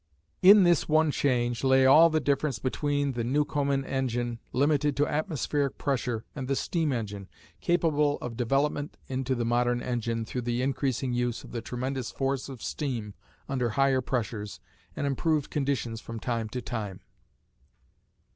In this one change lay all the difference between the Newcomen engine, limited to atmospheric pressure, and the steam engine, capable of development into the modern engine through the increasing use of the tremendous force of steam under higher pressures, and improved conditions from time to time.